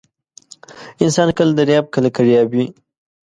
انسان کله درياب ، کله کرياب وى.